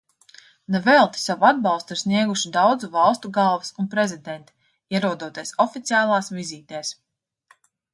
Ne velti savu atbalstu ir snieguši daudzu valstu galvas un prezidenti, ierodoties oficiālās vizītēs.